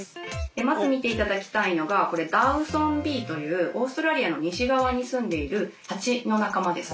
まず見ていただきたいのがこれダウソンビーというオーストラリアの西側に住んでいるハチの仲間です。